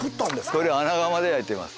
これ穴窯で焼いてます。